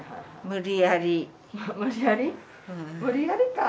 無理やりか。